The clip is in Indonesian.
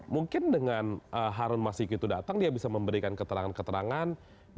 mungkin dengan harun masiku itu datang dia bisa memberikan keterangan keterangan